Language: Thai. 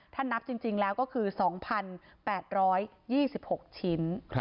ถ้านับจริงแล้วก็คือ๒๘๒๖ชิ้น